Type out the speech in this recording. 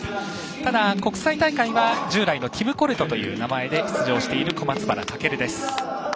ただ、国際大会は従来のティム・コレトという名前で出場している小松原尊です。